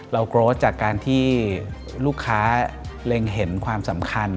โกรธจากการที่ลูกค้าเล็งเห็นความสำคัญ